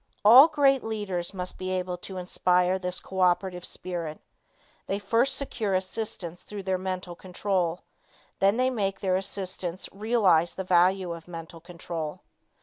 All great leaders must be able to inspire this co operative spirit. They first secure assistance through their mental control. They then make their assistants realize the value of mental control.